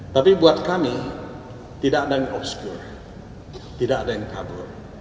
tapi buat kami tidak ada yang obscure tidak ada yang kabur